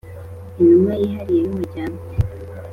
intumwa yihariye y'umuryango